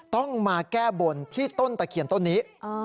ต้องมาแก้บนที่ต้นตะเคียนต้นนี้